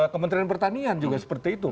kementerian pertanian juga seperti itu